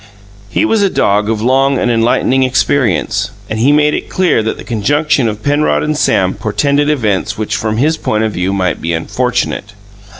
He was a dog of long and enlightening experience; and he made it clear that the conjunction of Penrod and Sam portended events which, from his point of view, might be unfortunate.